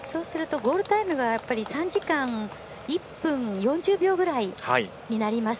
ゴールタイムが３時間１分４０秒ぐらいになります。